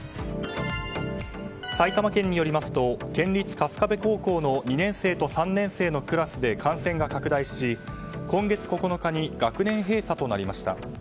埼玉県によりますと県立春日部高校の２年生と３年生のクラスで感染が拡大し、今月９日に学年閉鎖となりました。